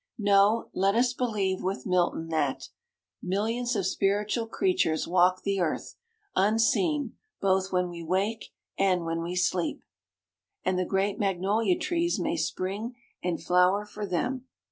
No: let us believe, with Milton, that "Millions of spiritual creatures walk the earth Unseen, both when we wake and when we sleep;" and the great magnolia trees may spring and flower for them.